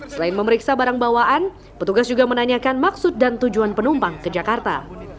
selain memeriksa barang bawaan petugas juga menanyakan maksud dan tujuan penumpang ke jakarta